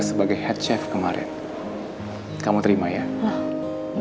sama saja demikian ok